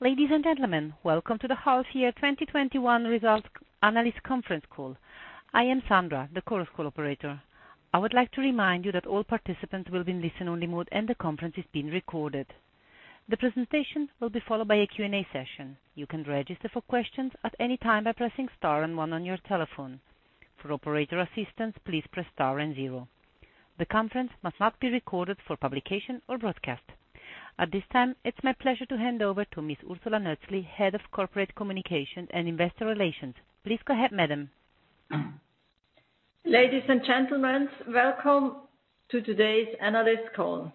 Ladies and gentlemen, welcome to the half year 2021 results analyst conference call. I am Sandra, the conference call operator. I would like to remind you that all participants will be in listen-only mode, and the conference is being recorded. The presentation will be followed by a Q&A session. You can register for questions at any time by pressing star and one on your telephone. For operator assistance, please press star and zero. The conference must not be recorded for publication or broadcast. At this time, it's my pleasure to hand over to Ms. Ursula Nötzli, Head of Corporate Communication and Investor Relations. Please go ahead, madam. Ladies and gentlemen, welcome to today's analyst call.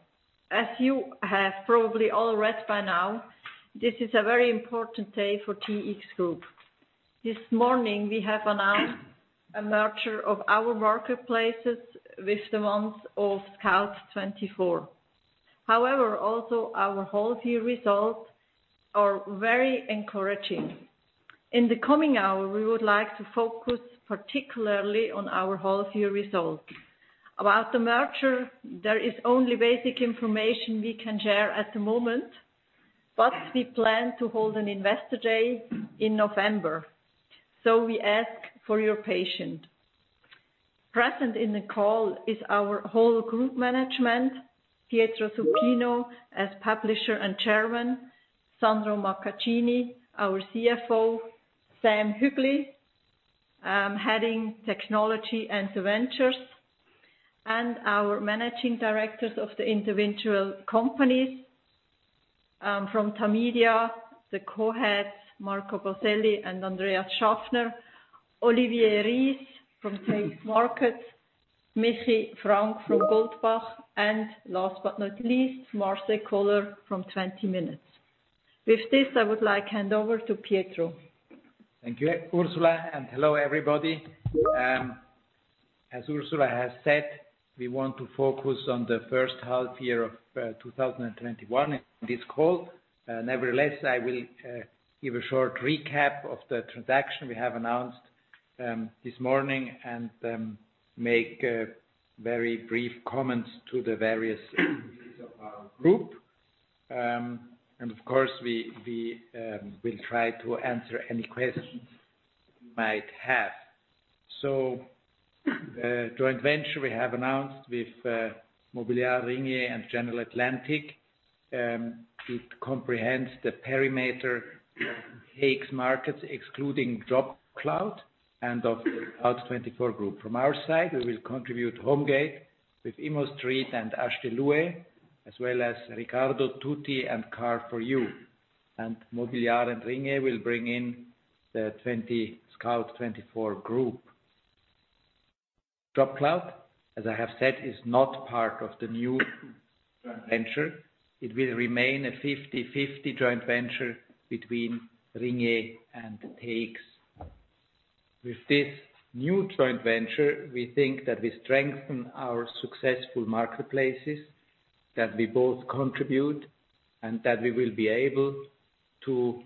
As you have probably all read by now, this is a very important day for TX Group. This morning, we have announced a merger of our marketplaces with the ones of Scout24. Also our whole year results are very encouraging. In the coming hour, we would like to focus particularly on our whole year results. About the merger, there is only basic information we can share at the moment, we plan to hold an investor day in November. We ask for your patience. Present in the call is our whole group management, Pietro Supino as Publisher and Chairman, Sandro Macciacchini, our CFO, Samuel Hügli, heading Technology and Ventures, and our managing directors of the individual companies. From Tamedia, the co-heads, Marco Boselli and Andreas Schaffner, Olivier Rihs from TX Markets, Michi Frank from Goldbach, and last but not least, Marcel Kohler from 20 Minuten. With this, I would like hand over to Pietro. Thank you, Ursula. Hello everybody. As Ursula has said, we want to focus on the first half year of 2021 in this call. Nevertheless, I will give a short recap of the transaction we have announced this morning and make very brief comments to the various of our group. Of course, we will try to answer any questions you might have. Joint venture we have announced with Mobiliar, Ringier, and General Atlantic. It comprehends the perimeter of TX Markets, excluding JobCloud, and of Scout24 Group. From our side, we will contribute Homegate with ImmoStreet and Acheter-louer.ch, as well as Ricardo, tutti, and Car For You. Mobiliar and Ringier will bring in the Scout24 Group. JobCloud, as I have said, is not part of the new joint venture. It will remain a 50/50 joint venture between Ringier and TX. With this new joint venture, we think that we strengthen our successful marketplaces, that we both contribute, and that we will be able to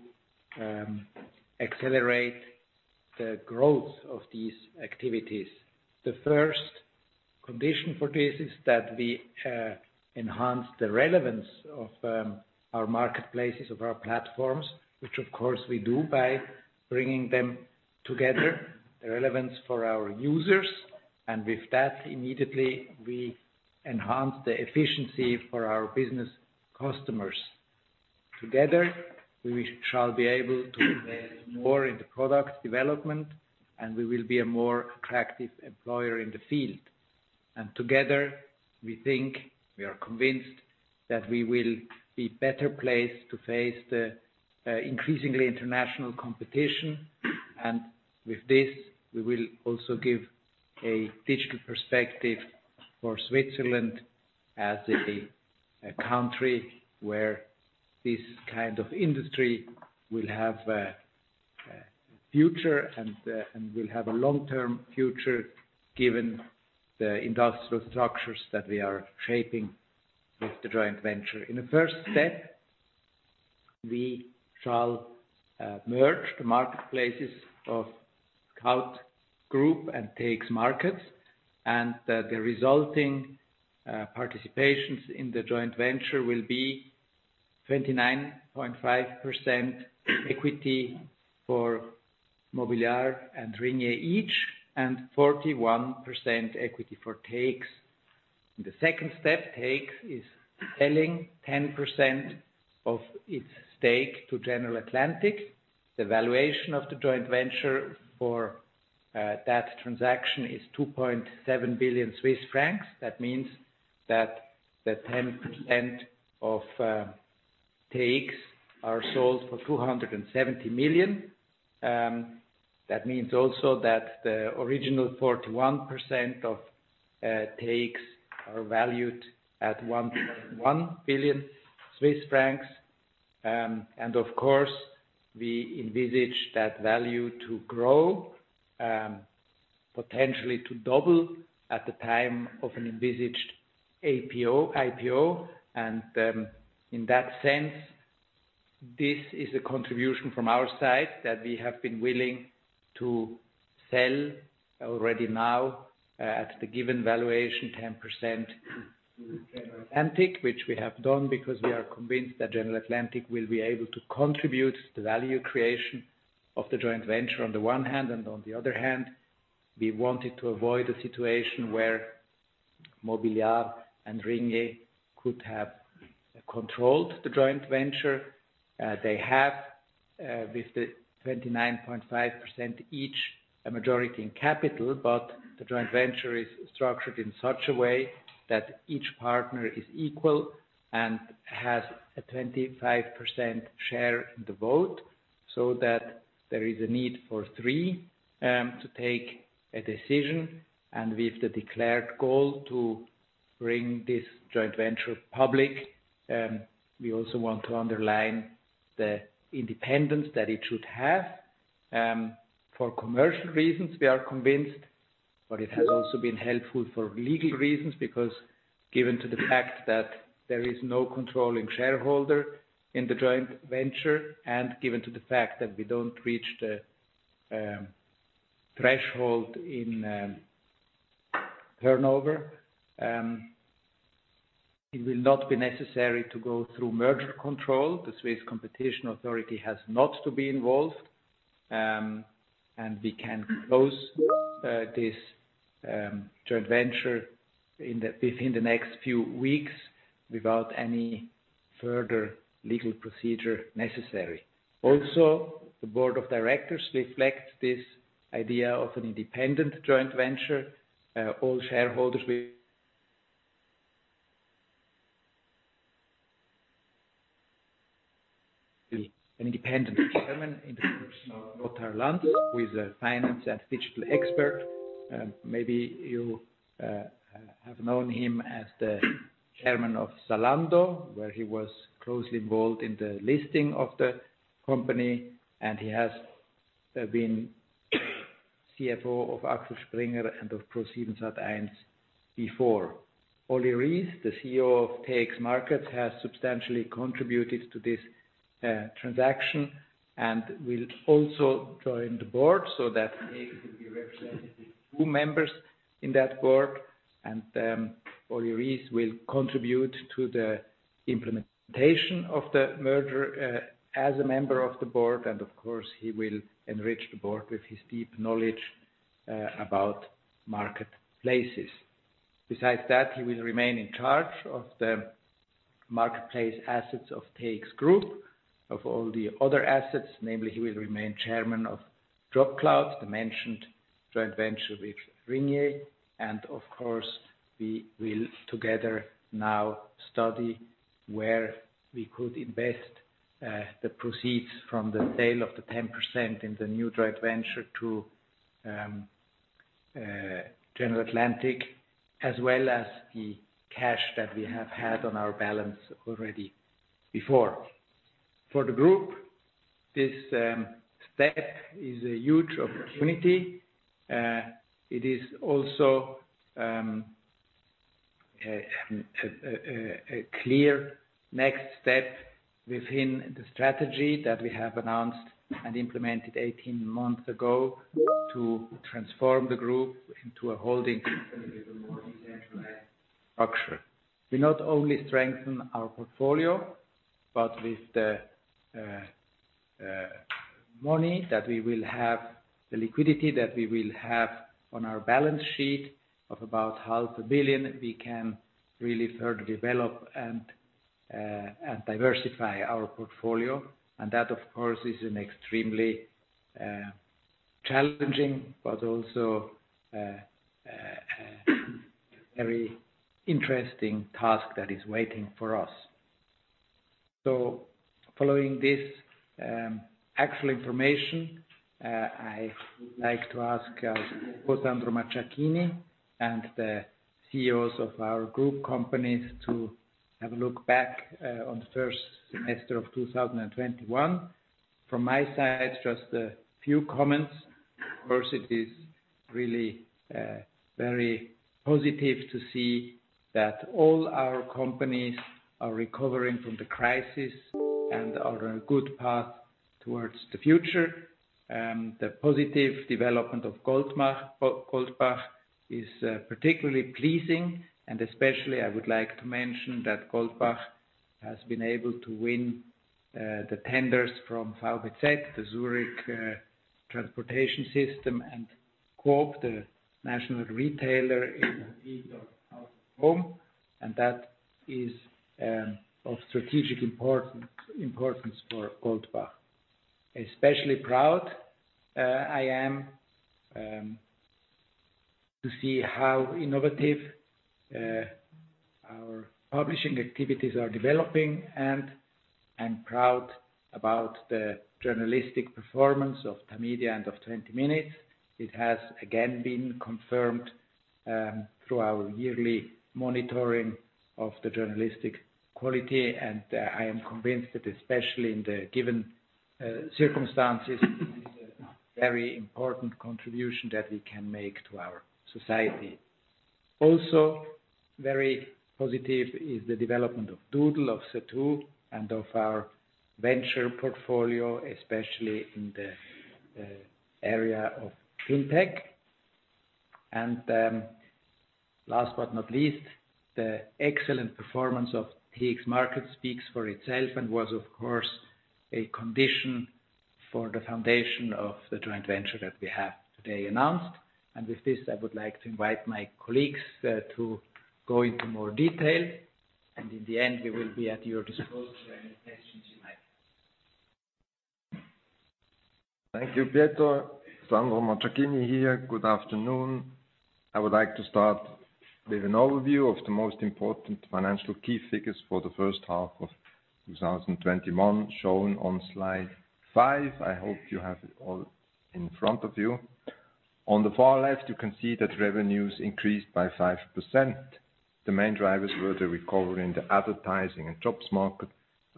accelerate the growth of these activities. The first condition for this is that we enhance the relevance of our marketplaces, of our platforms, which of course we do by bringing them together, the relevance for our users. With that, immediately we enhance the efficiency for our business customers. Together, we shall be able to invest more in the product development, and we will be a more attractive employer in the field. Together, we think, we are convinced that we will be better placed to face the increasingly international competition. With this, we will also give a digital perspective for Switzerland as a country where this kind of industry will have a future and will have a long-term future given the industrial structures that we are shaping with the joint venture. In the first step, we shall merge the marketplaces of Scout Group and TX Markets, and the resulting participations in the joint venture will be 29.5% equity for Mobiliar and Ringier each, and 41% equity for TX. In the second step, TX is selling 10% of its stake to General Atlantic. The valuation of the joint venture for that transaction is 2.7 billion Swiss francs. That means that the 10% of TX are sold for 270 million. That means also that the original 41% of TX are valued at 1.1 billion Swiss francs. Of course, we envisage that value to grow, potentially to double at the time of an envisaged IPO. In that sense, this is a contribution from our side that we have been willing to sell already now at the given valuation 10% to General Atlantic, which we have done because we are convinced that General Atlantic will be able to contribute the value creation of the joint venture on the one hand, and on the other hand, we wanted to avoid a situation where Mobiliar and Ringier could have controlled the joint venture. They have with the 29.5% each, a majority in capital, but the joint venture is structured in such a way that each partner is equal and has a 25% share in the vote, so that there is a need for three to take a decision, and with the declared goal to bring this joint venture public. We also want to underline the independence that it should have. For commercial reasons, we are convinced, but it has also been helpful for legal reasons because given to the fact that there is no controlling shareholder in the joint venture, and given to the fact that we don't reach the threshold in turnover, it will not be necessary to go through merger control. The Swiss Competition Authority has not to be involved, and we can close this joint venture within the next few weeks without any further legal procedure necessary. The Board of Directors reflect this idea of an independent joint venture. All shareholders will an independent chairman in the person of Lothar Lanz, who is a finance and digital expert. Maybe you have known him as the chairman of Zalando, where he was closely involved in the listing of the company. He has been CFO of Axel Springer and of ProSiebenSat.1 before. Olivier Rihs, the CEO of TX Markets, has substantially contributed to this transaction and will also join the board so that TX will be represented with two members in that board. Olivier Rihs will contribute to the implementation of the merger as a member of the board. Of course, he will enrich the board with his deep knowledge about marketplaces. Besides that, he will remain in charge of the marketplace assets of TX Group, of all the other assets. Namely, he will remain chairman of JobCloud, the mentioned joint venture with Ringier, and of course, we will together now study where we could invest the proceeds from the sale of the 10% in the new joint venture to General Atlantic, as well as the cash that we have had on our balance already before. For the Group, this step is a huge opportunity. It is also a clear next step within the strategy that we have announced and implemented 18 months ago to transform the Group into a holding with a more decentralized structure. We not only strengthen our portfolio, but with the money that we will have, the liquidity that we will have on our balance sheet of about half a billion, we can really further develop and diversify our portfolio. That, of course, is an extremely challenging but also a very interesting task that is waiting for us. Following this actual information, I would like to ask both Sandro Macciacchini and the CEOs of our Group companies to have a look back on the first semester of 2021. From my side, just a few comments. First, it is really very positive to see that all our companies are recovering from the crisis and are on a good path towards the future. The positive development of Goldbach is particularly pleasing, especially I would like to mention that Goldbach has been able to win the tenders from Verkehrsbetriebe Zürich Transportation System and Coop, the national retailer in the field of out of home, and that is of strategic importance for Goldbach. Especially proud I am to see how innovative our publishing activities are developing, and I'm proud about the journalistic performance of Tamedia and of 20 Minuten. It has again been confirmed through our yearly monitoring of the journalistic quality, I am convinced that especially in the given circumstances, it is a very important contribution that we can make to our society. Very positive is the development of Doodle, of Zattoo, and of our venture portfolio, especially in the area of fintech. Last but not least, the excellent performance of TX Markets speaks for itself and was, of course, a condition for the foundation of the joint venture that we have today announced. With this, I would like to invite my colleagues to go into more detail, and in the end, we will be at your disposal for any questions you might have. Thank you, Pietro. Sandro Macciacchini here. Good afternoon. I would like to start with an overview of the most important financial key figures for the first half of 2021, shown on Slide 5. I hope you have it all in front of you. On the far left, you can see that revenues increased by 5%. The main drivers were the recovery in the advertising and jobs market,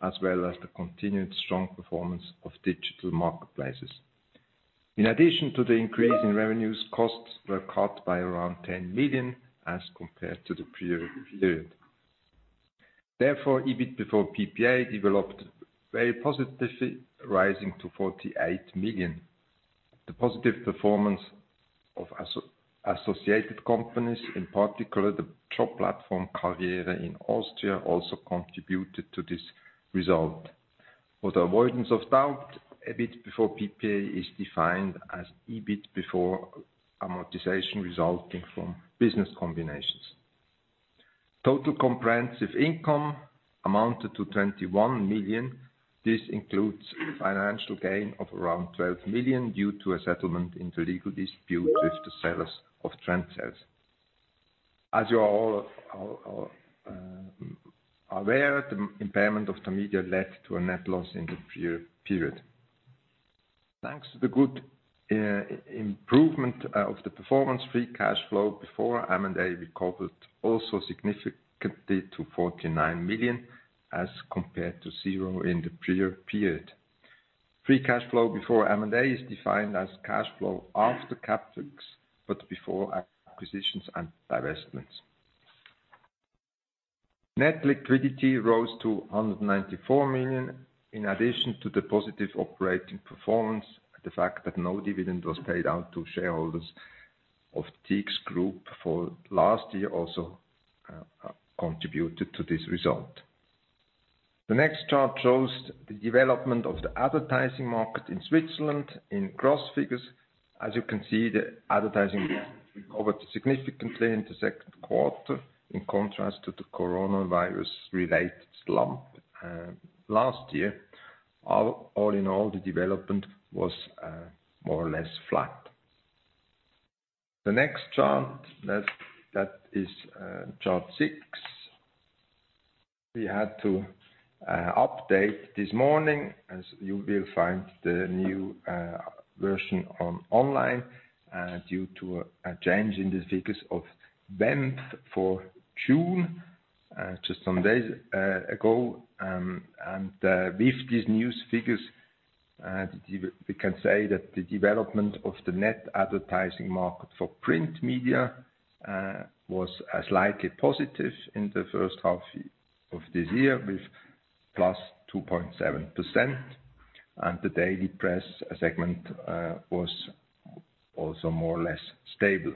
as well as the continued strong performance of digital marketplaces. In addition to the increase in revenues, costs were cut by around 10 million as compared to the prior period. EBIT before PPA developed very positively, rising to 48 million. The positive performance of associated companies, in particular the job platform Karriere.at in Austria, also contributed to this result. For the avoidance of doubt, EBIT before PPA is defined as EBIT before amortization resulting from business combinations. Total comprehensive income amounted to 21 million. This includes financial gain of around 12 million due to a settlement into legal dispute with the sellers of Trendsales. As you are all aware, the impairment of Tamedia led to a net loss in the period. Thanks to the good improvement of the performance, free cash flow before M&A recovered also significantly to 49 million as compared to zero in the prior period. Free cash flow before M&A is defined as cash flow after CapEx, but before acquisitions and divestments. Net liquidity rose to 194 million. In addition to the positive operating performance, the fact that no dividend was paid out to shareholders of TX Group for last year also contributed to this result. The next chart shows the development of the advertising market in Switzerland in cross figures. As you can see, the advertising recovered significantly in the second quarter, in contrast to the coronavirus-related slump last year. All in all, the development was more or less flat. The next chart, that is Chart 6. We had to update this morning, as you will find the new version online due to a change in the figures of WEMF for June just some days ago. With these new figures, we can say that the development of the net advertising market for print media was slightly positive in the first half of this year, with +2.7%, and the daily press segment was also more or less stable.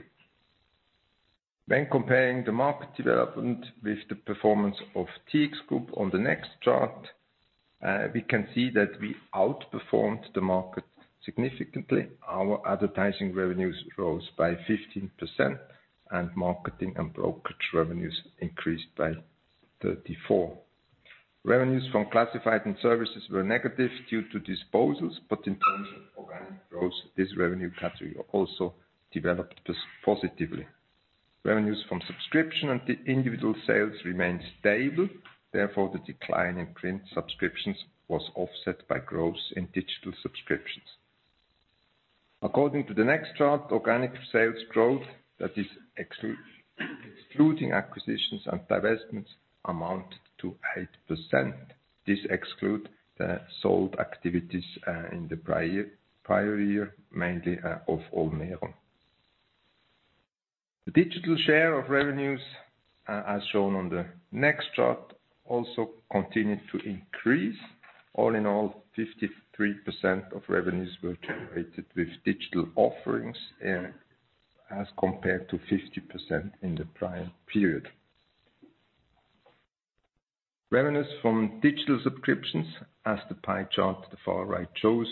When comparing the market development with the performance of TX Group on the next chart, we can see that we outperformed the market significantly. Our advertising revenues rose by 15%, and marketing and brokerage revenues increased by 34%. Revenues from classified and services were negative due to disposals, in terms of organic growth, this revenue category also developed positively. Revenues from subscription and individual sales remained stable. The decline in print subscriptions was offset by growth in digital subscriptions. According to the next chart, organic sales growth, that is excluding acquisitions and divestments, amounted to 8%. This excludes the sold activities in the prior year, mainly of Olmero. The digital share of revenues, as shown on the next chart, also continued to increase. All in all, 53% of revenues were generated with digital offerings as compared to 50% in the prior period. Revenues from digital subscriptions, as the pie chart at the far right shows,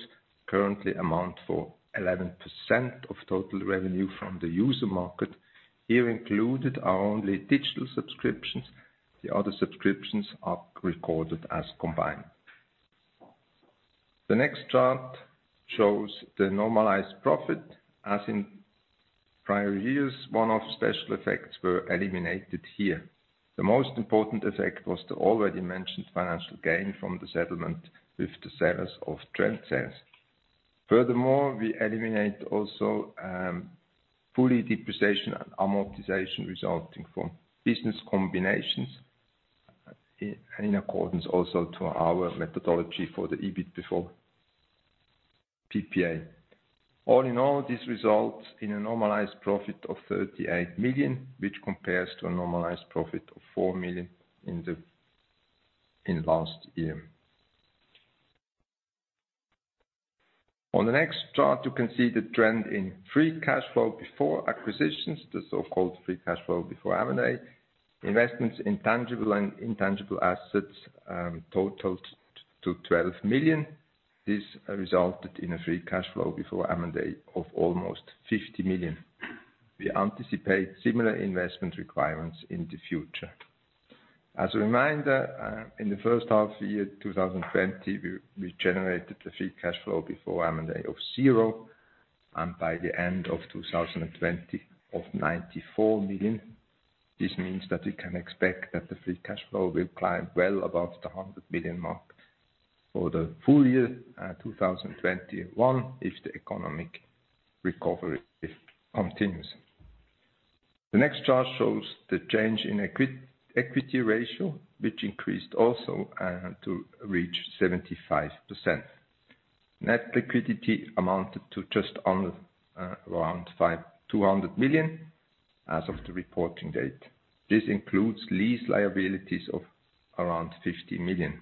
currently amount for 11% of total revenue from the user market. Here included are only digital subscriptions. The other subscriptions are recorded as combined. The next chart shows the normalized profit. As in prior years, one-off special effects were eliminated here. The most important effect was the already mentioned financial gain from the settlement with the sellers of Trendsales. Furthermore, we eliminate also full depreciation and amortization resulting from business combinations in accordance also to our methodology for the EBIT before PPA. All in all, this results in a normalized profit of 38 million, which compares to a normalized profit of 4 million in last year. On the next chart, you can see the trend in free cash flow before acquisitions, the so-called free cash flow before M&A. Investments in tangible and intangible assets totaled to 12 million. This resulted in a free cash flow before M&A of almost 50 million. We anticipate similar investment requirements in the future. As a reminder, in the first half year 2020, we generated the free cash flow before M&A of 0, and by the end of 2020, of 94 million. This means that we can expect that the free cash flow will climb well above the 100 million mark for the full year 2021, if the economic recovery is continuous. The next chart shows the change in equity ratio, which increased also to reach 75%. Net liquidity amounted to just around 200 million as of the reporting date. This includes lease liabilities of around 50 million.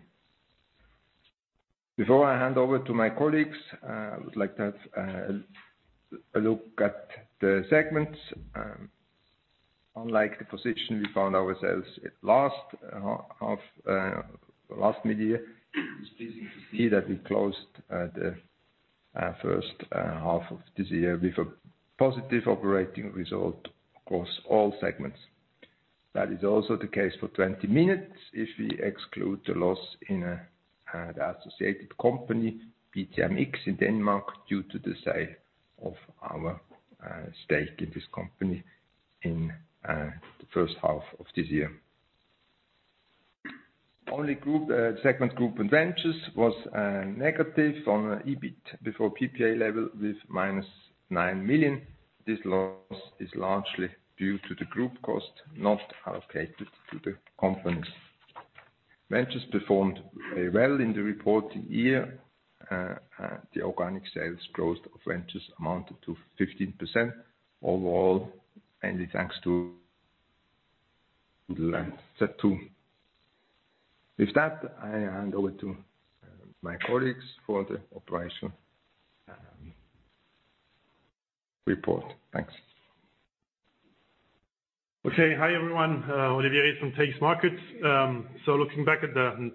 Before I hand over to my colleagues, I would like to have a look at the segments. Unlike the position we found ourselves at last mid-year, it's pleasing to see that we closed the first half of this year with a positive operating result across all segments. That is also the case for 20 Minuten, if we exclude the loss in the associated company, BTMX in Denmark, due to the sale of our stake in this company in the first half of this year. Only segment group Ventures was negative on EBIT before PPA level, with -9 million. This loss is largely due to the group cost not allocated to the companies. Ventures performed very well in the reporting year. The organic sales growth of Ventures amounted to 15% overall, mainly thanks to the latter two. With that, I hand over to my colleagues for the operation report. Thanks. Hi, everyone. Olivier Rihs from TX Markets. Looking back at the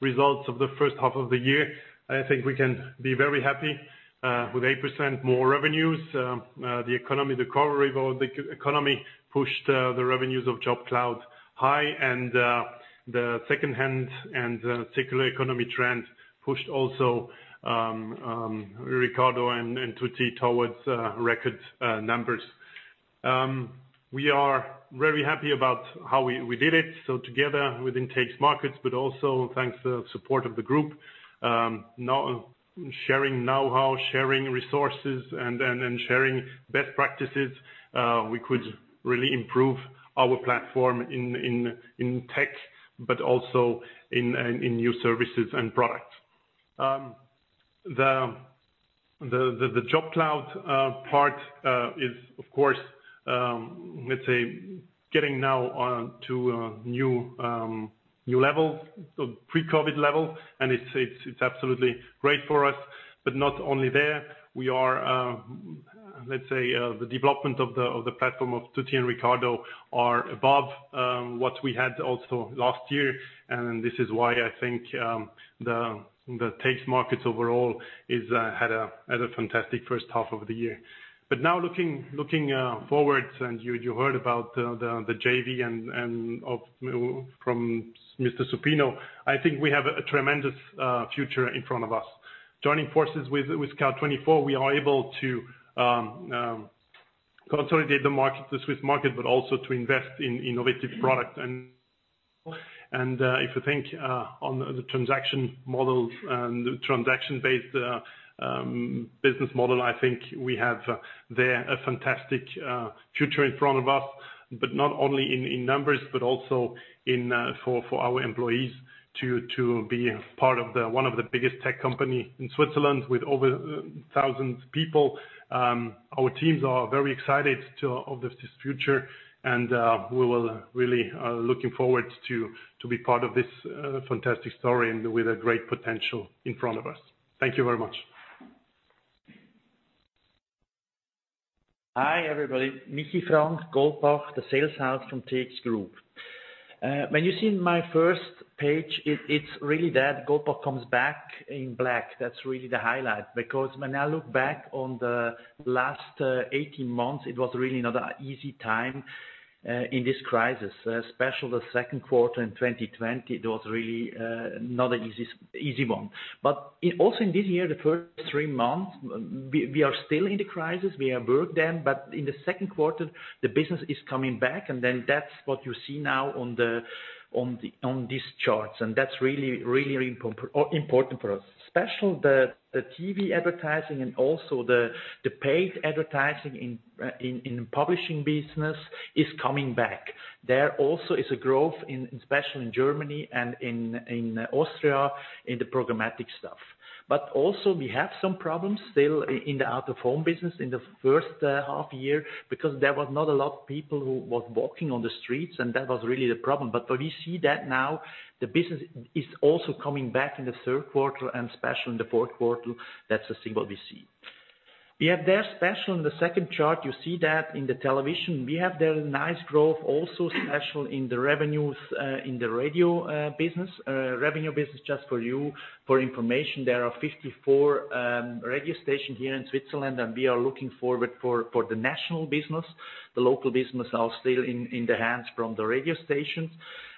results of the first half of the year, I think we can be very happy. With 8% more revenues, the economy recovery or the economy pushed the revenues of JobCloud high, and the secondhand and circular economy trend pushed also Ricardo and tutti.ch towards record numbers. We are very happy about how we did it. Together within TX Markets, but also thanks to the support of the group, sharing know-how, sharing resources, and sharing best practices, we could really improve our platform in tech, but also in new services and products. The JobCloud part is, of course, let's say, getting now to a new level, pre-COVID level, and it's absolutely great for us. Not only there, we are, let's say, the development of the platform of tutti.ch and Ricardo are above what we had also last year. This is why I think TX Markets overall had a fantastic first half of the year. Now looking forwards, you heard about the JV from Mr. Supino, I think we have a tremendous future in front of us. Joining forces with Scout24, we are able to consolidate the Swiss market, but also to invest in innovative product. If you think on the transaction-based business model, I think we have there a fantastic future in front of us. Not only in numbers, but also for our employees to be part of one of the biggest tech company in Switzerland with over 1,000 people. Our teams are very excited of this future. We will really looking forward to be part of this fantastic story and with a great potential in front of us. Thank you very much. Hi, everybody. Michi Frank, Goldbach, the sales house from TX Group. When you see my first page, it's really that Goldbach comes back in black. That's really the highlight because when I look back on the last 18 months, it was really not an easy time in this crisis, especially the second quarter in 2020. It was really not an easy one. Also in this year, the first three months, we are still in the crisis. We have worked then, in the second quarter, the business is coming back. Then that's what you see now on these charts. That's really important for us. Especially the TV advertising also the paid advertising in publishing business is coming back. There also is a growth, especially in Germany and in Austria, in the programmatic stuff. Also we have some problems still in the out-of-home business in the first half year, because there was not a lot people who was walking on the streets, and that was really the problem. We see that now the business is also coming back in the third quarter and especially in the fourth quarter. That's the thing what we see. We have there, especially on the second chart, you see that in the television. We have there a nice growth also, especially in the revenues in the radio business. Revenue business. Just for you for information, there are 54 radio stations here in Switzerland. We are looking forward for the national business. The local business are still in the hands from the radio stations.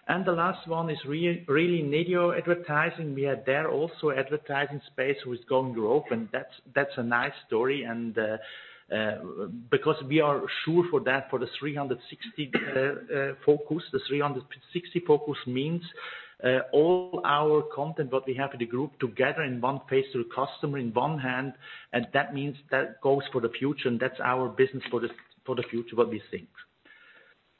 The last one is really video advertising. We are there also advertising space who is going to open. Because we are sure for that, for the 360 focus. The 360 focus means all our content that we have in the group together in one place through customer in one hand, that means that goes for the future, that's our business for the future what we think.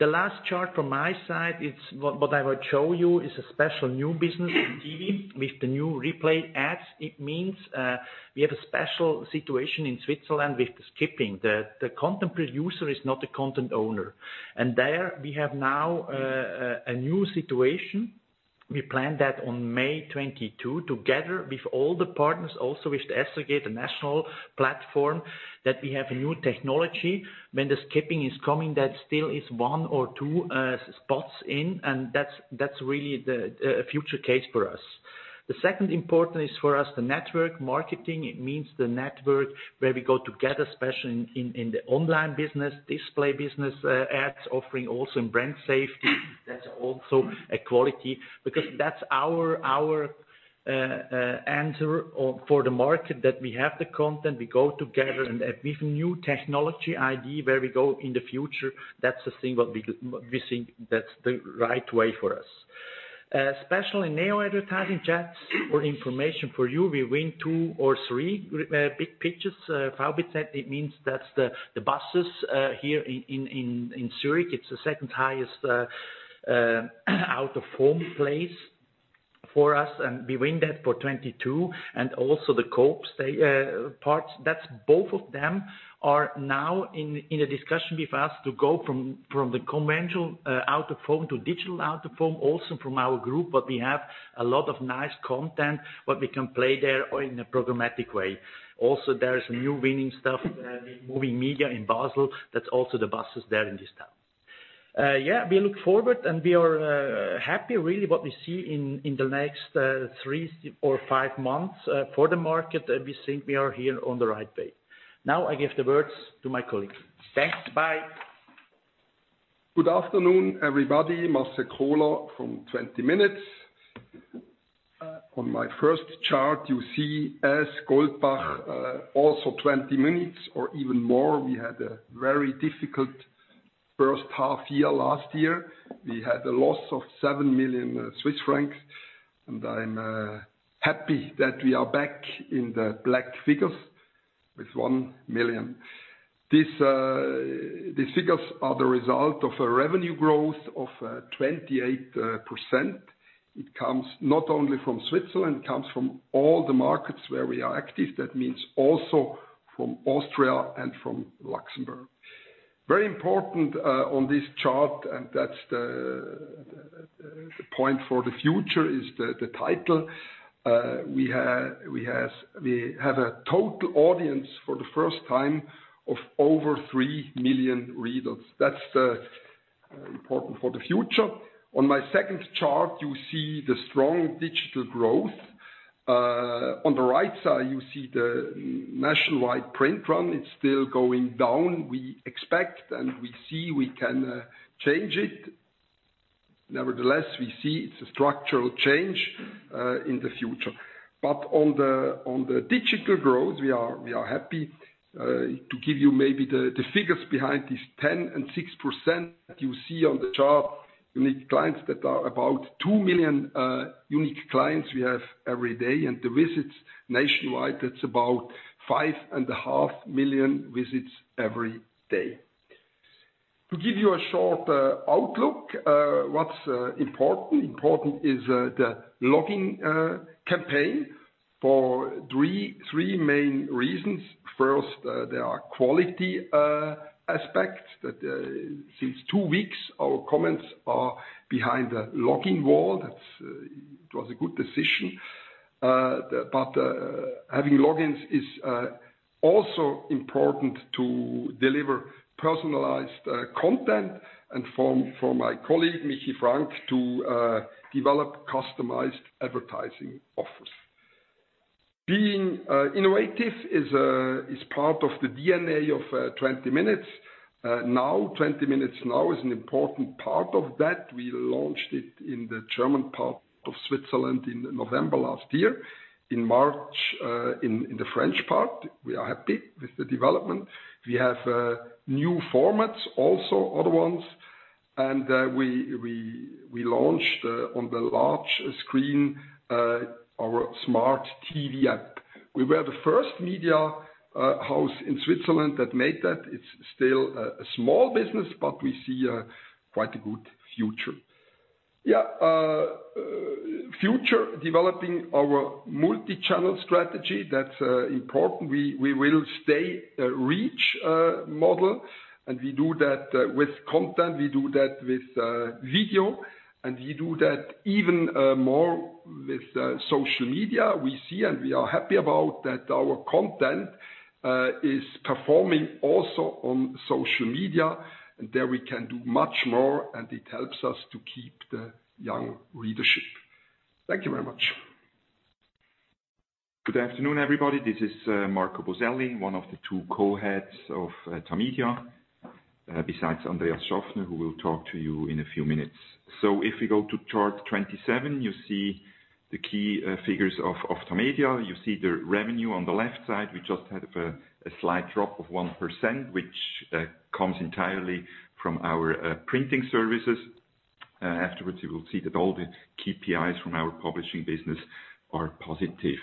The last chart from my side, what I will show you is a special new business in TV with the new replay ads. It means we have a special situation in Switzerland with the skipping. The content producer is not a content owner. There we have now a new situation. We planned that on May 22 together with all the partners also with the SRG SSR, the national platform, that we have a new technology. When the skipping is coming, that still is one or two spots in. That's really the future case for us. The second important is for us the network marketing. It means the network where we go together, especially in the online business, display business ads offering also in brand safety. That's also a quality because that's our answer for the market, that we have the content. We go together and with new technology idea where we go in the future. That's the thing what we think that's the right way for us. Especially in neo-advertising, just for information for you, we win two or three big pitches. Verkehrsbetriebe, it means that's the buses here in Zurich. It's the second highest out-of-home place for us. We win that for 2022. Also the Coop parts that's both of them are now in a discussion with us to go from the conventional out-of-home to digital out-of-home, also from our group. We have a lot of nice content what we can play there or in a programmatic way. There is new winning stuff with Moving Media in Basel. That's also the buses there in this town. We look forward, and we are happy really what we see in the next three or five months for the market. We think we are here on the right way. I give the words to my colleague. Thanks. Bye. Good afternoon, everybody. Marcel Kohler from 20 Minuten. On my first chart, you see as Goldbach also 20 Minuten or even more. We had a very difficult first half year last year. We had a loss of 7 million Swiss francs, and I'm happy that we are back in the black figures with 1 million. These figures are the result of a revenue growth of 28%. It comes not only from Switzerland, comes from all the markets where we are active. That means also from Austria and from Luxembourg. Very important on this chart, and that's the point for the future is the title. We have a total audience for the first time of over three million readers. That's important for the future. On my second chart, you see the strong digital growth. On the right side, you see the nationwide print run. It's still going down. We expect, and we see we can change it. Nevertheless, we see it's a structural change in the future. On the digital growth, we are happy. To give you maybe the figures behind this 10% and 6% that you see on the chart, unique clients that are about two million unique clients we have every day, and the visits nationwide, that's about five and a half million visits every day. To give you a short outlook, what's important? Important is the login campaign for three main reasons. First, there are quality aspects that since weeks our comments are behind a login wall. That was a good decision. Having logins is also important to deliver personalized content and for my colleague, Michi Frank, to develop customized advertising offers. Being innovative is part of the DNA of 20 Minuten. Now 20 Minuten now is an important part of that. We launched it in the German part of Switzerland in November last year. In March, in the French part. We are happy with the development. We have new formats also, other ones. We launched on the large screen, our smart TV app. We were the first media house in Switzerland that made that. It's still a small business, but we see quite a good future. Yeah. Future developing our multichannel strategy, that's important. We will stay reach model, and we do that with content, we do that with video, and we do that even more with social media. We see and we are happy about that our content is performing also on social media, and there we can do much more, and it helps us to keep the young readership. Thank you very much. Good afternoon, everybody. This is Marco Boselli, one of the two co-heads of Tamedia, besides Andreas Schaffner, who will talk to you in a few minutes. If we go to Chart 27, you see the key figures of Tamedia. You see the revenue on the left side. We just had a slight drop of 1%, which comes entirely from our printing services. Afterwards, you will see that all the KPIs from our publishing business are positive.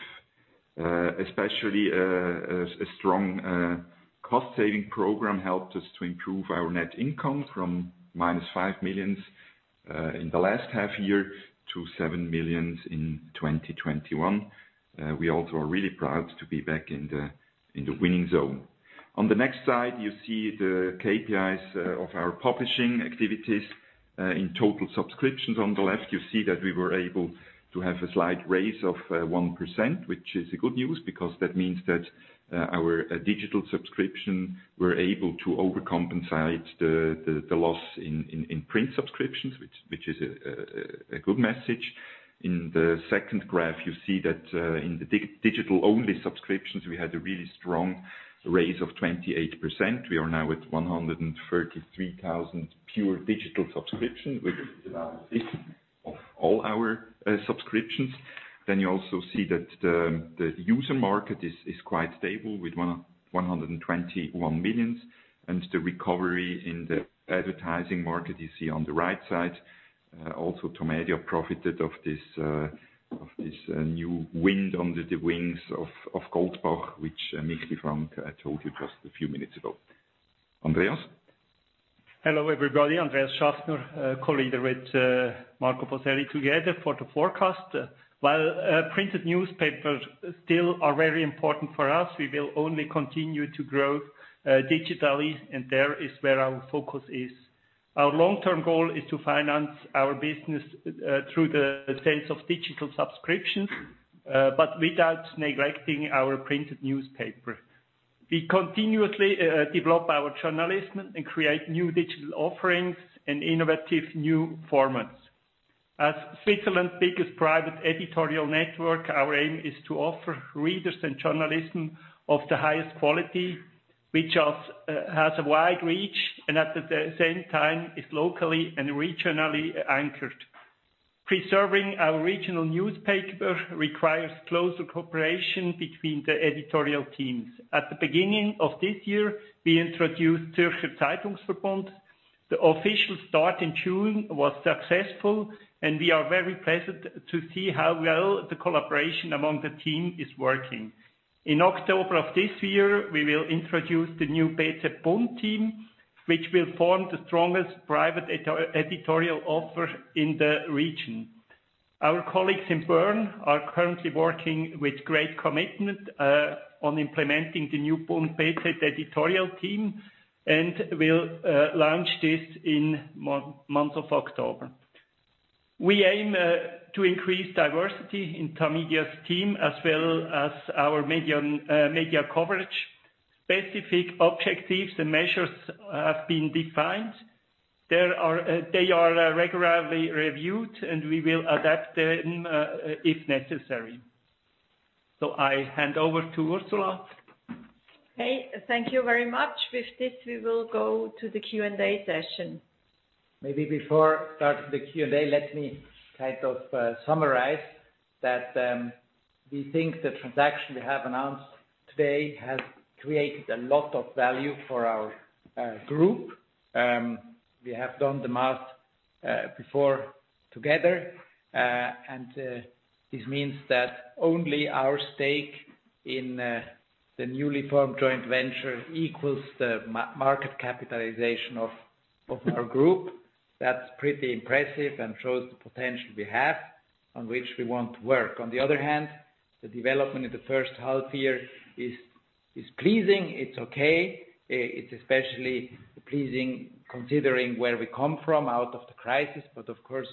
Especially a strong cost-saving program helped us to improve our net income from -5 million in the last half year to 7 million in 2021. We also are really proud to be back in the winning zone. On the next slide, you see the KPIs of our publishing activities. In total subscriptions on the left, you see that we were able to have a slight raise of 1%, which is a good news, because that means that our digital subscription were able to overcompensate the loss in print subscriptions, which is a good message. In the second graph, you see that in the digital-only subscriptions, we had a really strong raise of 28%. We are now at 133,000 pure digital subscriptions, which is now of all our subscriptions. Then you also see that user market is quite stable with the recovery in the advertising market, you see on the right side. Also, Tamedia profited of this new wind under the wings of Goldbach, which Michi Frank told you just a few minutes ago. Andreas? Hello, everybody. Andreas Schaffner, co-leader with Marco Boselli together for the forecast. While printed newspapers still are very important for us, we will only continue to grow digitally, there is where our focus is. Our long-term goal is to finance our business through the sales of digital subscriptions, without neglecting our printed newspaper. We continuously develop our journalism and create new digital offerings and innovative new formats. As Switzerland's biggest private editorial network, our aim is to offer readers and journalism of the highest quality, which has a wide reach and at the same time is locally and regionally anchored. Preserving our regional newspaper requires closer cooperation between the editorial teams. At the beginning of this year, we introduced Zürcher Zeitungsverbund. The official start in June was successful, we are very pleased to see how well the collaboration among the team is working. In October of this year, we will introduce the new BZ/Der Bund team, which will form the strongest private editorial offer in the region. Our colleagues in Bern are currently working with great commitment on implementing the new BZ/Der Bund editorial team, and will launch this in month of October. We aim to increase diversity in Tamedia's team as well as our media coverage. Specific objectives and measures have been defined. They are regularly reviewed, and we will adapt them if necessary. I hand over to Ursula Nötzli. Okay, thank you very much. With this, we will go to the Q&A session. Before starting the Q&A, let me summarize that we think the transaction we have announced today has created a lot of value for our group. We have done the math before together, this means that only our stake in the newly formed joint venture equals the market capitalization of our group. That's pretty impressive and shows the potential we have, on which we want to work. On the other hand, the development in the first half year is pleasing. It's okay. It's especially pleasing considering where we come from, out of the crisis, of course,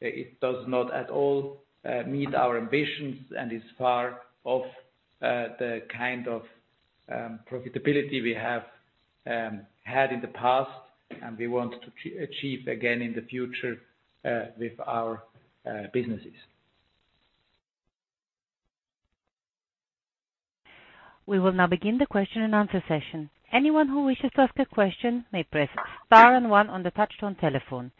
it does not at all meet our ambitions and is far off the kind of profitability we have had in the past and we want to achieve again in the future with our businesses. We will now begin the question and answer session. Anyone who wishes to ask a question may press star and one on the touchstone telephone.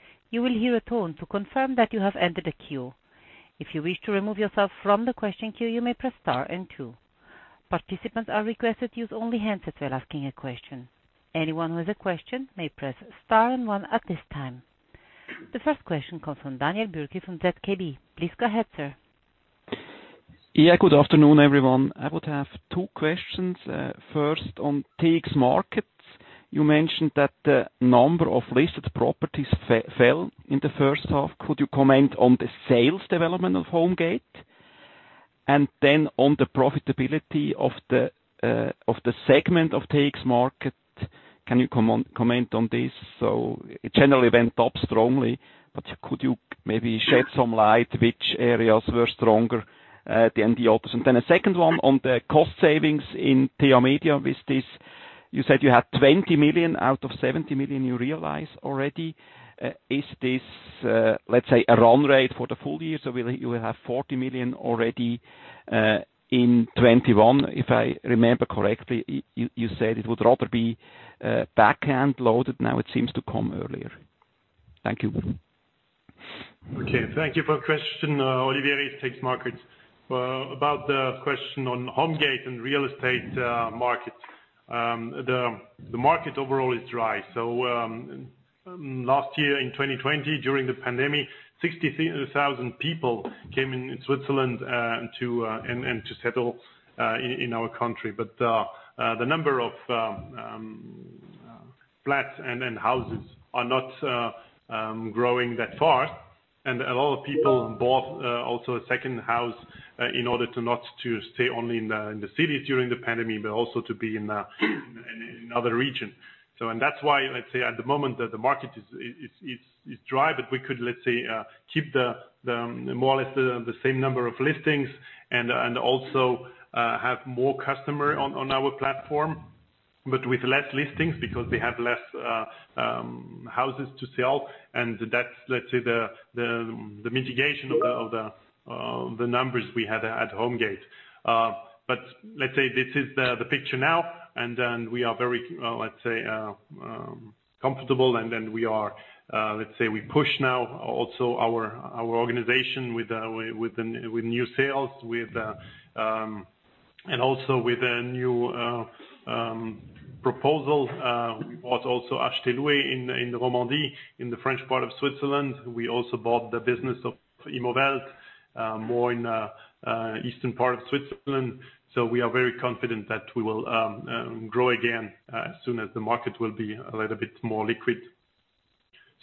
The first question comes from Daniel Bürki from ZKB. Please go ahead, sir. Good afternoon, everyone. I would have two questions. First, on TX Markets, you mentioned that the number of listed properties fell in the first half. Could you comment on the sales development of Homegate? On the profitability of the segment of TX Markets, can you comment on this? It generally went up strongly, could you maybe shed some light which areas were stronger than the others? A second one on the cost savings in Tamedia. With this, you said you had 20 million out of 70 million you realize already. Is this, let's say, a run rate for the full year? You will have 40 million already in 2021, if I remember correctly. You said it would rather be back-end loaded. Now it seems to come earlier. Thank you. Thank you for the question, Olivier. TX Markets. About the question on Homegate and real estate markets. The market overall is dry. Last year in 2020 during the pandemic, 60,000 people came into Switzerland to settle in our country. The number of flats and houses are not growing that far. A lot of people bought also a second house in order to not to stay only in the cities during the pandemic, but also to be in another region. That's why, let's say at the moment, the market is dry, but we could, let's say, keep more or less the same number of listings and also have more customer on our platform. With less listings because we have less houses to sell. That's, let's say, the mitigation of the numbers we had at Homegate. Let's say this is the picture now, then we are very comfortable, let's say we push now also our organization with new sales. Also with a new proposal. We bought also Acheter-Louer.ch in the Romandie, in the French part of Switzerland. We also bought the business of Immowelt more in eastern part of Switzerland. We are very confident that we will grow again as soon as the market will be a little bit more liquid.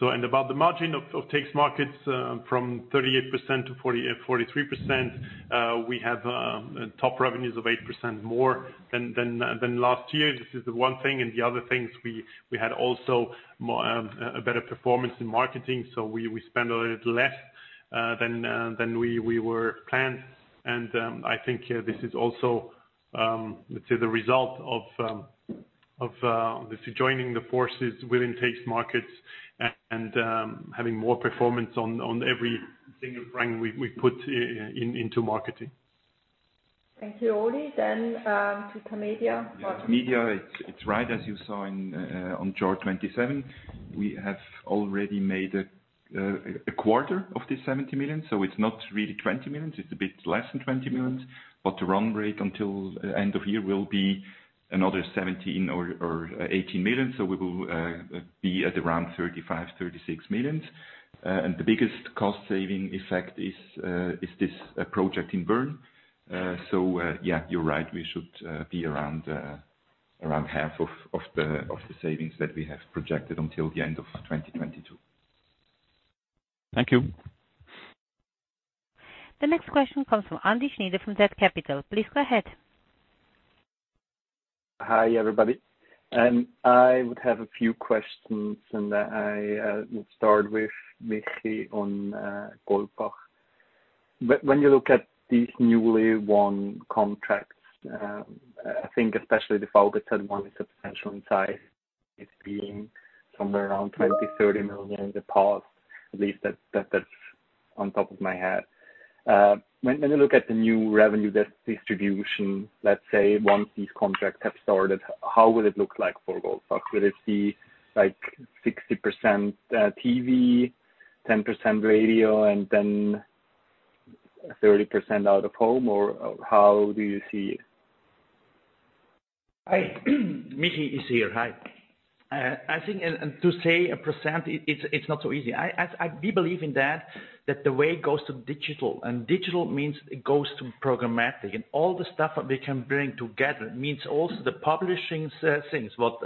About the margin of TX Markets, from 38%-43%. We have top revenues of 8% more than last year. This is the one thing and the other things we had also a better performance in marketing. We spend a little less than we were planned. I think this is also, let's say, the result of joining the forces within TX Markets and having more performance on every single CHF we put into marketing. Thank you, Oli. To Tamedia. Tamedia, it's right as you saw on July 27. We have already made a quarter of the 70 million. It's not really 20 million. It's a bit less than 20 million. The run rate until end of year will be another 17 million or 18 million. We will be at around 35 million, 36 million. The biggest cost saving effect is this project in Bern. Yeah, you're right, we should be around half of the savings that we have projected until the end of 2022. Thank you. The next question comes from Andy Schnyder from zCapital. Please go ahead. Hi, everybody. I would have a few questions, and I will start with Michi on Goldbach. When you look at these newly won contracts, I think especially the VBZ one is substantial in size. It's been somewhere around 20 million-30 million in the past. At least that's on top of my head. When you look at the new revenue distribution, let's say, once these contracts have started, how will it look like for Goldbach? Will it be 60% TV, 10% radio, and then 30% out of home? How do you see it? Hi. Michi is here. Hi. I think, to say a percent, it's not so easy. We believe in that the way it goes to digital means it goes to programmatic. All the stuff that we can bring together means also the publishing things. What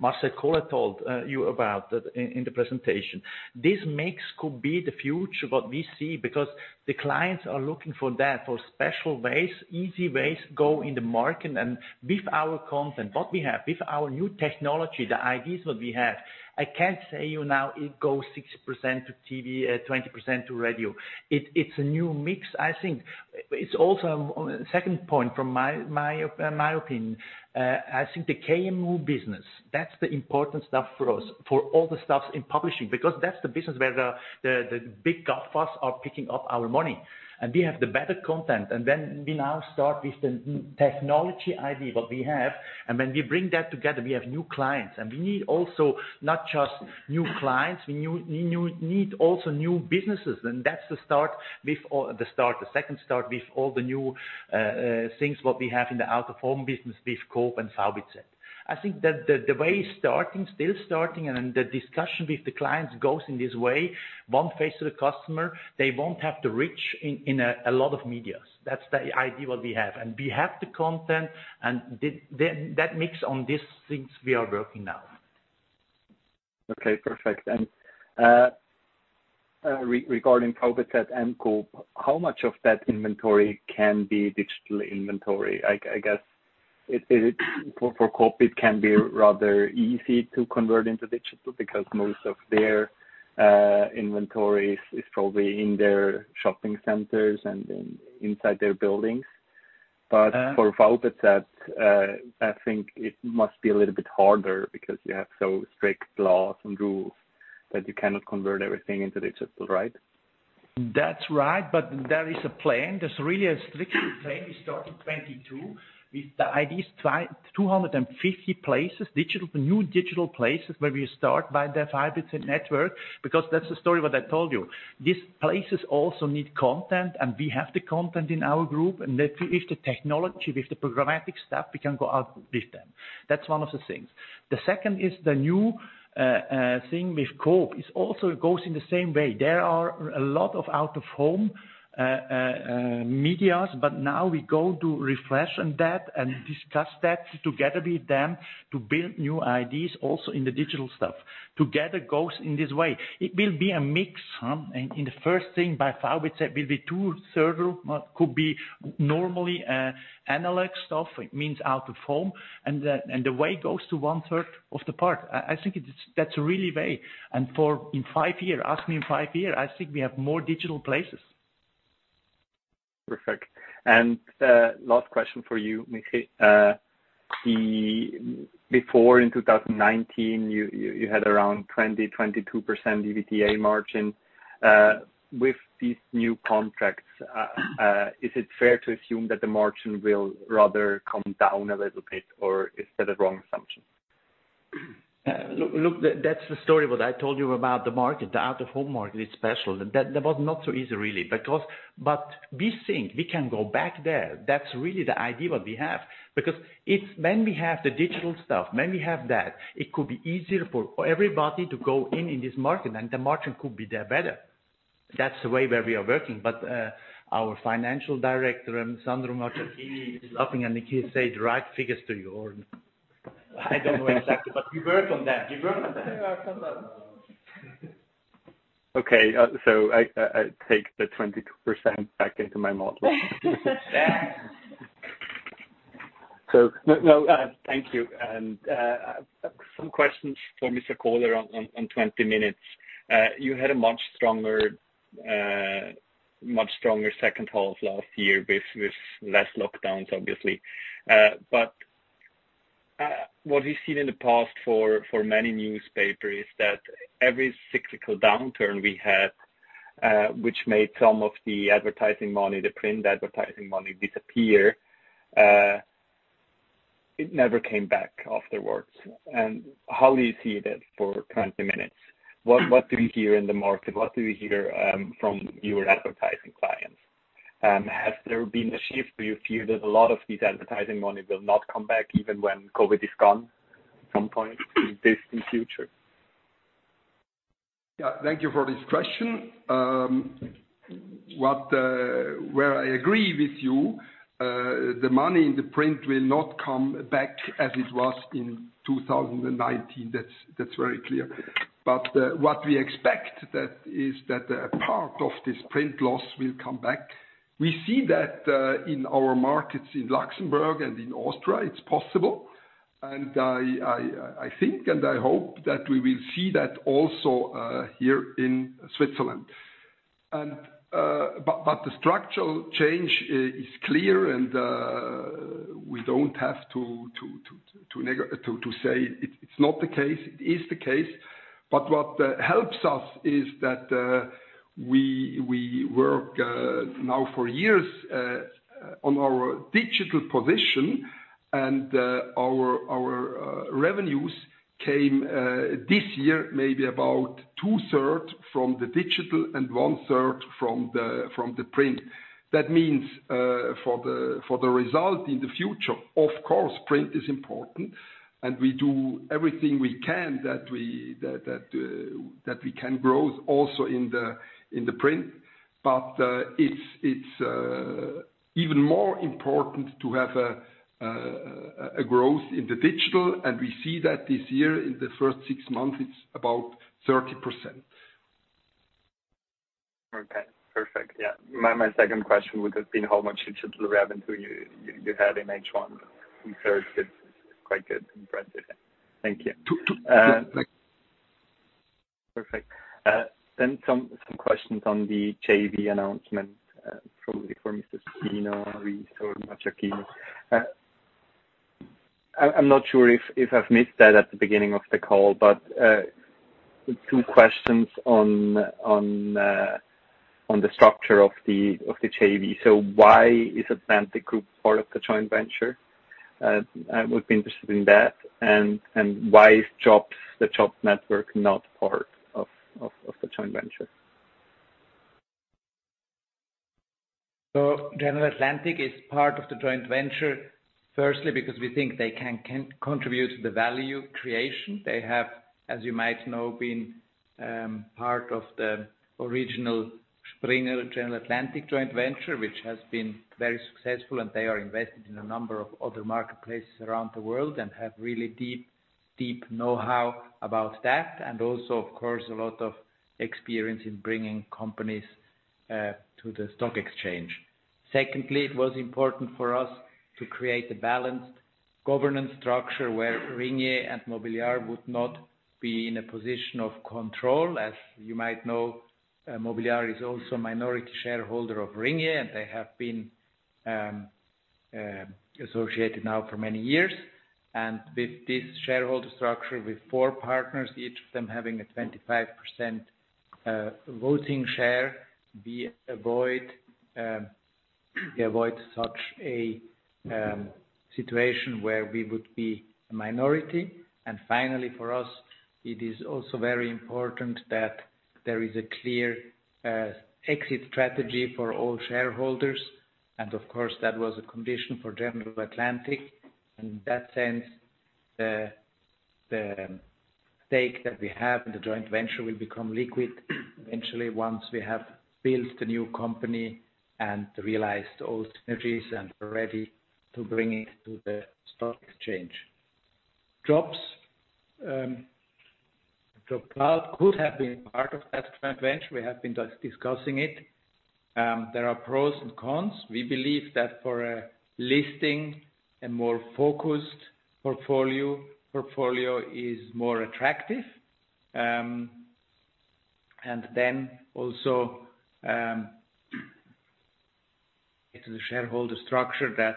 Marcel Kohler told you about in the presentation. This mix could be the future, what we see, because the clients are looking for that, for special ways, easy ways go in the market and with our content, what we have, with our new technology, the ideas what we have. I can't say you now it goes 60% to TV, 20% to radio. It's a new mix. I think it's also on the second point from my opinion. I think the KMU business, that's the important stuff for us, for all the stuff in publishing, because that's the business where the big players are picking up our money. We have the better content, and then we now start with the technology idea, what we have, and when we bring that together, we have new clients. We need also not just new clients, we need also new businesses. That's the start with all the new things, what we have in the out of home business with Coop and VBZ. I think that the way it's still starting and the discussion with the clients goes in this way, one face to the customer, they won't have to reach in a lot of media. That's the idea what we have, and we have the content and that mix on these things we are working now. Okay, perfect. Regarding Vaude, at and Coop, how much of that inventory can be digital inventory? I guess, for Coop it can be rather easy to convert into digital because most of their inventory is probably in their shopping centers and inside their buildings. For Vaude, I think it must be a little bit harder because you have so strict laws and rules that you cannot convert everything into digital, right? That's right. There is a plan. There's really a strict plan. We start in 2022 with at least 250 places, new digital places where we start by the VBZ Netz, because that's the story what I told you. These places also need content, and we have the content in our group, and if the technology, with the programmatic stuff, we can go out with them. That's one of the things. The second is the new thing with Coop. It also goes in the same way. There are a lot of out-of-home medias, now we go to refresh on that and discuss that together with them to build new ideas also in the digital stuff. Together goes in this way. It will be a mix. In the first thing by VBZ, it will be two-third could be normally analog stuff. It means out-of-home, and the way goes to one-third of the part. I think that's really way. Ask me in five years, I think we have more digital places. Perfect. Last question for you, Michi. Before in 2019, you had around 20%, 22% EBITDA margin. With these new contracts, is it fair to assume that the margin will rather come down a little bit, or is that a wrong assumption? That's the story what I told you about the market. The out-of-home market is special. That was not so easy, really. We think we can go back there. That's really the idea what we have. When we have the digital stuff, when we have that, it could be easier for everybody to go in in this market and the margin could be there better. That's the way where we are working. Our financial director, Sandro Macciacchini, he is laughing and he says the right figures to you, or I don't know exactly, but we work on that. Okay. I take the 22% back into my model. Yeah. Thank you. Some questions for Mr. Kohler on 20 Minuten. You had a much stronger second half last year with less lockdowns, obviously. What we've seen in the past for many newspapers is that every cyclical downturn we had, which made some of the advertising money, the print advertising money disappear, it never came back afterwards. How do you see that for 20 Minuten? What do you hear in the market? What do you hear from your advertising clients? Has there been a shift where you feel that a lot of this advertising money will not come back even when COVID is gone at some point in future? Yeah. Thank you for this question. Where I agree with you, the money in the print will not come back as it was in 2019. That's very clear. What we expect is that a part of this print loss will come back. We see that in our markets in Luxembourg and in Austria. It's possible. I think, and I hope that we will see that also here in Switzerland. The structural change is clear, and we don't have to say it's not the case. It is the case. What helps us is that we work now for years on our digital position, and our revenues came this year maybe about 2/3 from the digital and 1/3 from the print. That means, for the result in the future, of course, print is important, and we do everything we can that we can grow also in the print. It's even more important to have a growth in the digital, and we see that this year in the first six months, it's about 30%. Okay. Perfect. Yeah. My second question would have been how much digital revenue you had in H1. Two-third is quite good. Impressive. Thank you. Two, two. Perfect. Some questions on the JV announcement, probably for Mr. Supino or Mr. Macciacchini. I'm not sure if I've missed that at the beginning of the call, two questions on the structure of the JV. Why is General Atlantic part of the joint venture? I would be interested in that. Why is the Jobs network not part of the joint venture? General Atlantic is part of the joint venture, firstly, because we think they can contribute to the value creation. They have, as you might know, been part of the original Springer General Atlantic joint venture, which has been very successful, and they are invested in a number of other marketplaces around the world and have really deep know-how about that. Also, of course, a lot of experience in bringing companies to the stock exchange. Secondly, it was important for us to create a balanced governance structure where Ringier and Mobiliar would not be in a position of control. As you might know, Mobiliar is also a minority shareholder of Ringier, and they have been associated now for many years. With this shareholder structure, with four partners, each of them having a 25% voting share, we avoid such a situation where we would be a minority. Finally, for us, it is also very important that there is a clear exit strategy for all shareholders, and of course, that was a condition for General Atlantic. In that sense, the stake that we have in the joint venture will become liquid eventually once we have built the new company and realized all synergies and ready to bring it to the stock exchange. Jobs. JobCloud could have been part of that joint venture. We have been discussing it. There are pros and cons. We believe that for a listing, a more focused portfolio is more attractive. Then also, it's the shareholder structure that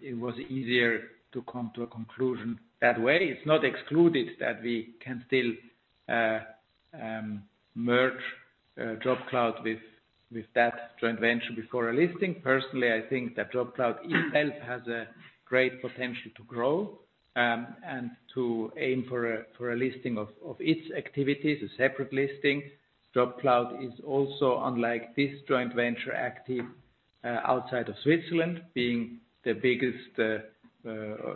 it was easier to come to a conclusion that way. It's not excluded that we can still merge JobCloud with that joint venture before a listing. Personally, I think that JobCloud itself has a great potential to grow, and to aim for a listing of its activities, a separate listing. JobCloud is also, unlike this joint venture, active outside of Switzerland, being the biggest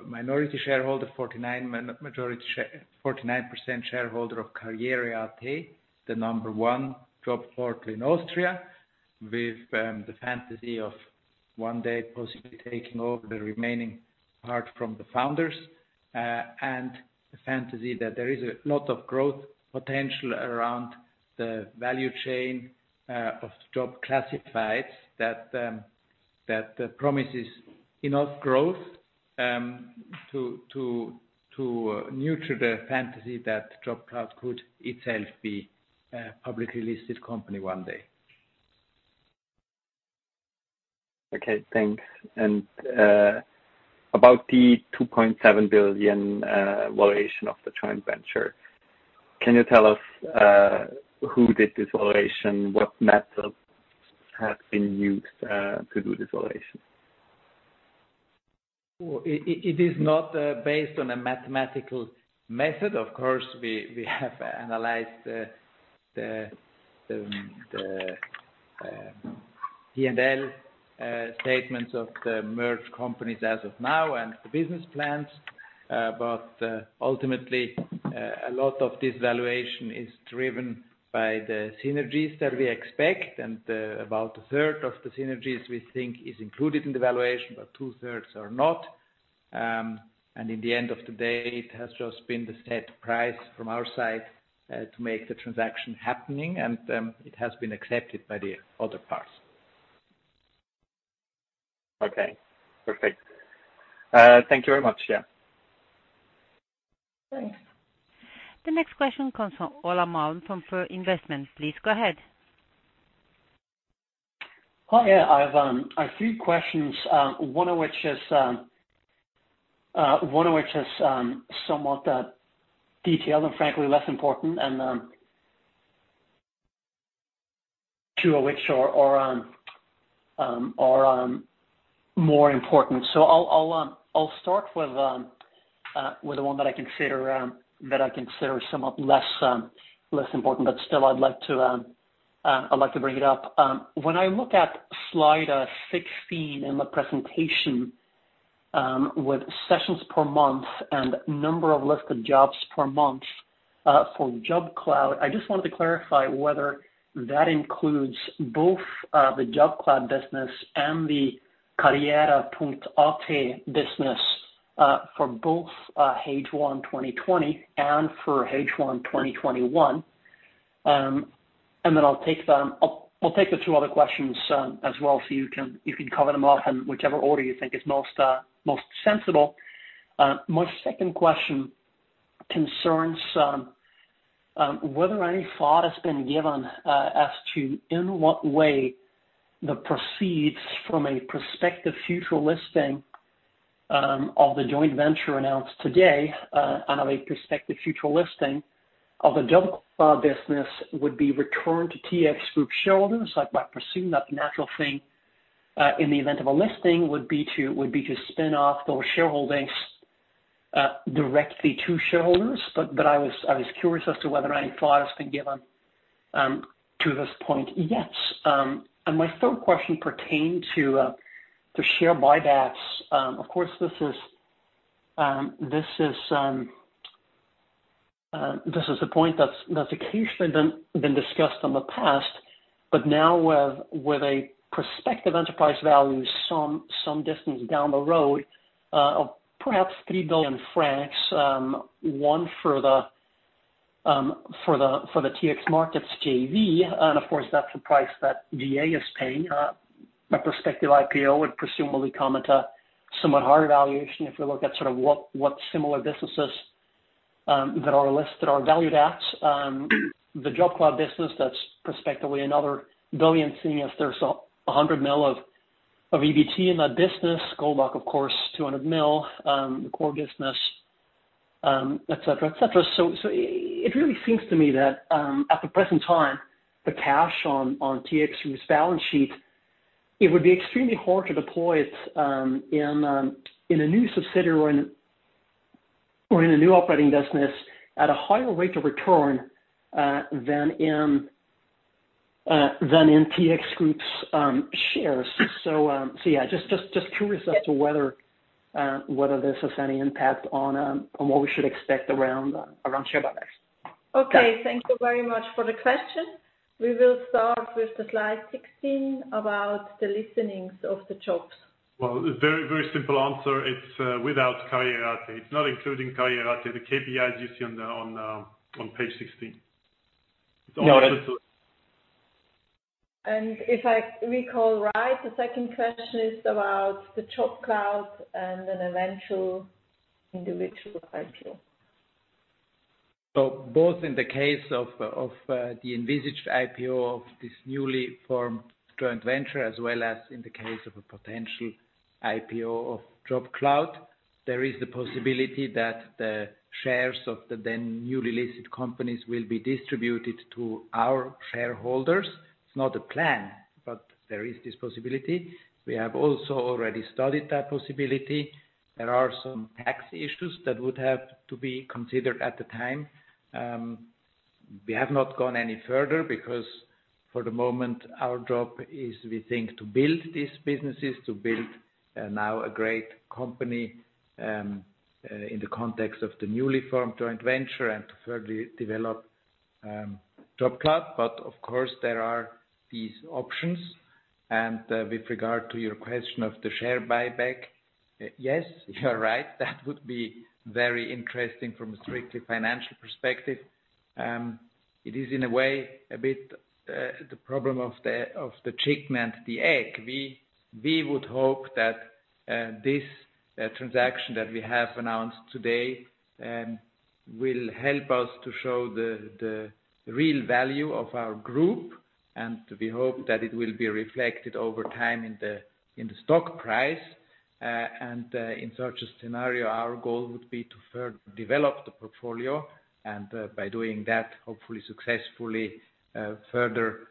minority shareholder, 49% shareholder of Karriere.at, the number one job portal in Austria, with the fantasy of one day possibly taking over the remaining part from the founders. The fantasy that there is a lot of growth potential around the value chain of job classifieds that promises enough growth to nurture the fantasy that JobCloud could itself be a publicly listed company one day. Okay, thanks. About the 2.7 billion valuation of the joint venture. Can you tell us who did this valuation? What method has been used to do this valuation? It is not based on a mathematical method. Of course, we have analyzed the P&L statements of the merged companies as of now and the business plans. Ultimately, a lot of this valuation is driven by the synergies that we expect, and about 1/3 of the synergies we think is included in the valuation, but 2/3 are not. In the end of the day, it has just been the set price from our side to make the transaction happening, and it has been accepted by the other parts. Okay. Perfect. Thank you very much. Yeah. Thanks. The next question comes from Ola Mallen from Per Investment. Please go ahead. Hi. I have a few questions, one of which is somewhat detailed and frankly less important, and two of which are more important. I'll start with the one that I consider somewhat less important, but still, I'd like to bring it up. When I look at Slide 16 in the presentation, with sessions per month and number of listed jobs per month for JobCloud, I just wanted to clarify whether that includes both the JobCloud business and the Karriere.at business, for both H1 2020 and for H1 2021. I'll take the two other questions as well, so you can cover them off in whichever order you think is most sensible. My second question concerns whether any thought has been given as to in what way the proceeds from a prospective future listing of the joint venture announced today, and of a prospective future listing of the JobCloud business, would be returned to TX Group shareholders. I presume that the natural thing, in the event of a listing, would be to spin off those shareholdings directly to shareholders, but I was curious as to whether any thought has been given to this point yet. My third question pertained to share buybacks. Of course, this is a point that's occasionally been discussed in the past, but now with a prospective enterprise value some distance down the road of perhaps 3 billion francs, one for the TX Markets JV, and of course, that's the price that GA is paying. A prospective IPO would presumably come at a somewhat higher valuation if we look at what similar businesses that are listed are valued at. The JobCloud business, that's prospectively another 1 billion, seeing as there's 100 million of EBIT in that business. Goldbach, of course, 200 million, the core business, et cetera. It really seems to me that at the present time, the cash on TX Group's balance sheet, it would be extremely hard to deploy it in a new subsidiary or in a new operating business at a higher rate of return than in TX Group's shares. Yeah, just curious as to whether this has any impact on what we should expect around share buybacks. Thank you very much for the question. We will start with the Slide 16 about the listings of the jobs. Well, a very simple answer, it's without Karriere.at. It's not including Karriere.at, the KPIs you see on Page 16. No, that's- If I recall right, the second question is about the JobCloud and an eventual individual IPO. Both in the case of the envisaged IPO of this newly formed joint venture, as well as in the case of a potential IPO of JobCloud, there is the possibility that the shares of the then newly listed companies will be distributed to our shareholders. It's not a plan, there is this possibility. We have also already studied that possibility. There are some tax issues that would have to be considered at the time. We have not gone any further because for the moment, our job is, we think, to build these businesses, to build now a great company in the context of the newly formed joint venture and to further develop JobCloud. Of course, there are these options. With regard to your question of the share buyback, yes, you're right. That would be very interesting from a strictly financial perspective. It is in a way a bit the problem of the chicken and the egg. We would hope that this transaction that we have announced today will help us to show the real value of our group, and we hope that it will be reflected over time in the stock price. In such a scenario, our goal would be to further develop the portfolio, and by doing that, hopefully successfully further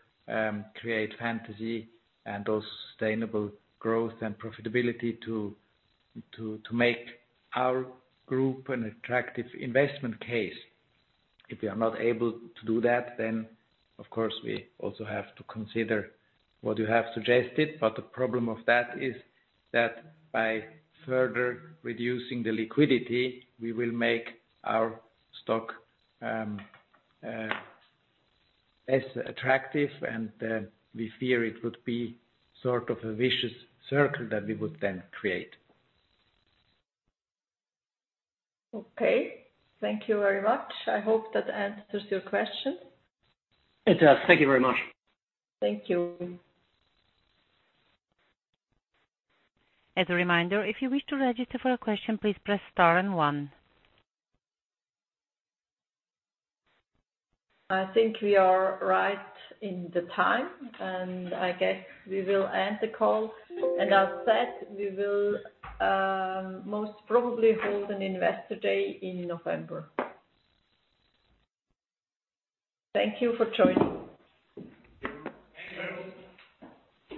create fantasy and sustainable growth and profitability to make our group an attractive investment case. If we are not able to do that, then of course, we also have to consider what you have suggested. The problem of that is that by further reducing the liquidity, we will make our stock less attractive, and we fear it would be sort of a vicious circle that we would then create. Okay. Thank you very much. I hope that answers your question. It does. Thank you very much. Thank you. As a reminder, if you wish to register for a question, please press star and one. I think we are right in the time, and I guess we will end the call. As said, we will most probably hold an investor day in November. Thank you for joining. Thank you.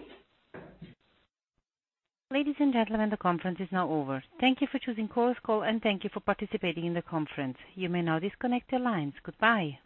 Ladies and gentlemen, the conference is now over. Thank you for choosing Chorus Call, and thank you for participating in the conference. You may now disconnect your lines. Goodbye.